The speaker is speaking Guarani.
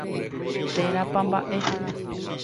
Térãpa mbaʼe.